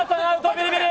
ビリビリ！